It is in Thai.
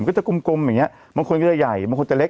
มันก็จะกลมอย่างนี้มันควรจะใหญ่มันควรจะเล็ก